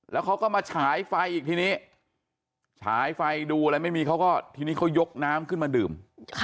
แล้วเขาก็มาฉายไฟอีกทีนี้ฉายไฟดูอะไรไม่มีเขาก็ทีนี้เขายกน้ำขึ้นมาดื่ม